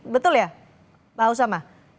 betul ya pak usama